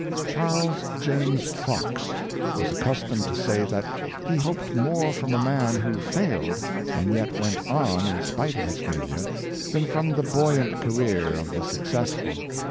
Charles James Fox was accustomed to say that he hoped more from a man who failed, and yet went on in spite of his failure, than from the buoyant career of the successful.